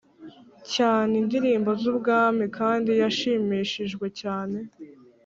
cyane indirimbo z Ubwami kandi yashimishijwe cyane